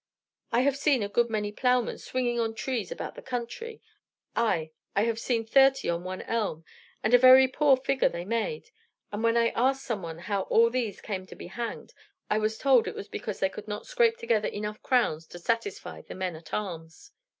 I have seen a good many ploughmen swinging on trees about the country; ay, I have seen thirty on one elm, and a very poor figure they made; and when I asked some one how all these came to be hanged, I was told it was because they could not scrape together enough crowns to satisfy the men at arms."